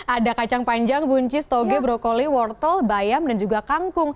ada kacang panjang buncis toge brokoli wortel bayam dan juga kangkung